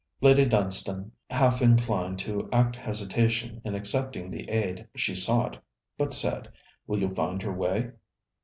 Lady Dunstane half inclined to act hesitation in accepting the aid she sought, but said: 'Will you find your way?'